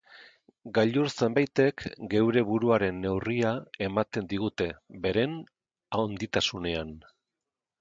Gailur zenbaitek geure buruaren neurria ematen digute beren handitasunean.